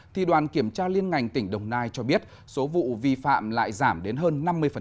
thì đoàn kiểm tra liên ngành tỉnh đồng nai cho biết số vụ vi phạm lại giảm đến hơn năm mươi